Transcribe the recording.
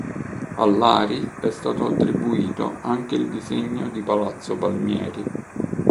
A Lari è stato attribuito anche il disegno di palazzo Palmieri.